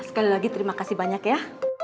sekali lagi terima kasih banyak ya